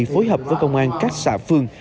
phối hợp với công an các xã phường